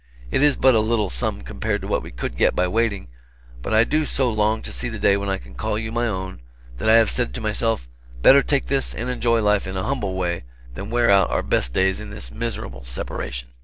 It is but a little sum compared to what we could get by waiting, but I do so long to see the day when I can call you my own, that I have said to myself, better take this and enjoy life in a humble way than wear out our best days in this miserable separation.